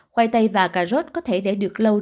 khoai tây và cà rốt có thể để được lâu